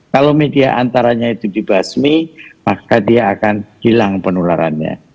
kalau media antaranya itu dibasmi maka dia akan hilang penularannya